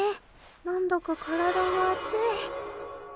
何だか体が熱い。